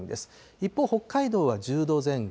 一方、北海道は１０度前後。